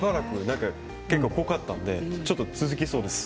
結構濃かったので続きそうです